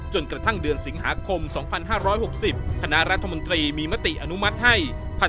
จนกระทั่งเดือนสิงหาคม๒๕๖๐คณะรัฐมนตรีมีมติอนุมัติให้